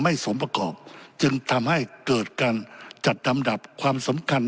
สมประกอบจึงทำให้เกิดการจัดลำดับความสำคัญ